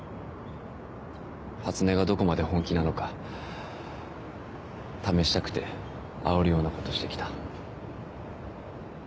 初音がどこまで本気なのか試したくてあおるようなことしてきた。